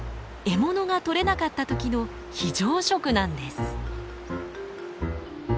獲物が取れなかった時の非常食なんです。